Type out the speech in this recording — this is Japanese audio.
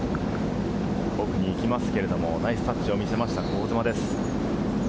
奥に行きますけれど、ナイスタッチを見せました、香妻です。